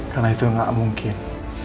karena itu tidak mungkin